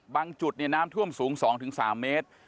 จุดน้ำท่วมสูง๒๓เมตร